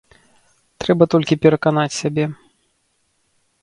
Трэба толькі пераканаць сябе.